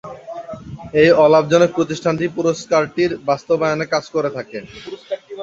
এই অ-লাভজনক প্রতিষ্ঠানটি পুরস্কারটির বাস্তবায়নে কাজ করে থাকে।